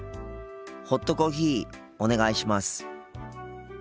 ホットコーヒーお願いします。